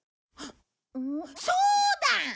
そうだ！